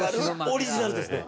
オリジナルですね。